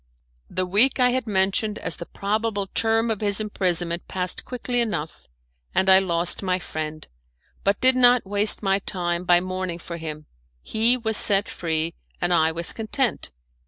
The week I had mentioned as the probable term of his imprisonment passed quickly enough, and I lost my friend, but did not waste my time by mourning for him; he was set free, and I was content.